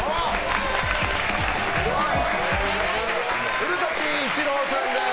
古舘伊知郎さんです。